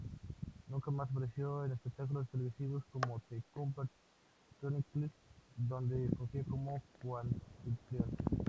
Nunca más apareció en espectáculos televisivos como "The Computer Chronicle" donde fungía como coanfitrión.